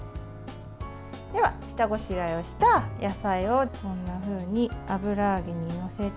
では、下ごしらえをした野菜をこんなふうに油揚げに載せて。